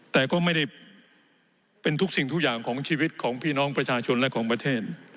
แต่ก็ไม่ได้เป็นทุกสิ่งทุกอย่างของชีวิตของพี่น้องประชาชนและของประเทศ